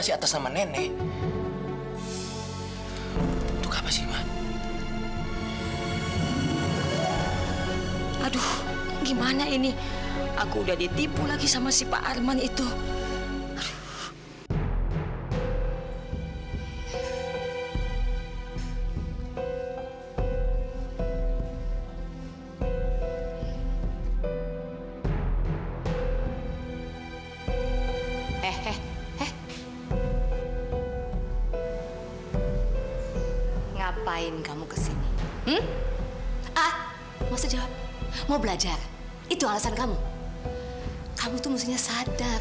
sampai jumpa di video selanjutnya